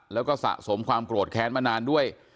แล้วก็สะสมความโกรธแค้นมานานด้วย